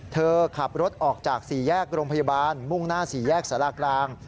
เธอขับรถออกจากสี่แยกโรงพยาบาลมุ่งหน้าสี่แยกสารากลาง